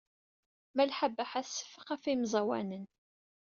Malḥa Baḥa tseffeq ɣef yemẓawanen.